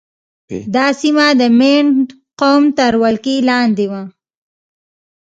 دا سیمه د مینډ قوم تر ولکې لاندې وه.